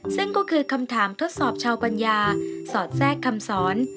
ซึ่งก็คือคำถามทดสอบชาวปัญญาสอดแทรกคำสอน